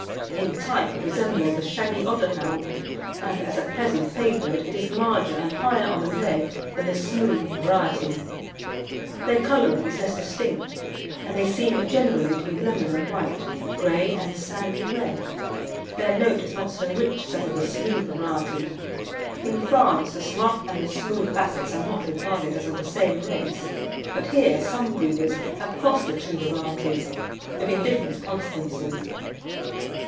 In type it resembles the shaggy Otterhound, and as at present favoured it is larger and higher on the leg than the smooth variety. Their colouring is less distinct, and they seem generally to be lemon and white, grey and sandy red. Their note is not so rich as that of the smooth variety. In France the rough and the smooth Bassets are not regarded as of the same race, but here some breeders have crossed the two varieties, with indifferent consequences.